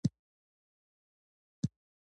پکتيا ولايت څوارلس ولسوالۍ لری.